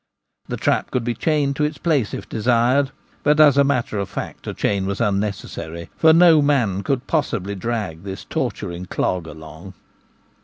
The trap could be chained to its place if desired ; but, as a matter of fact, a chain was unne cessary, for no man could possibly drag this torturing clog along.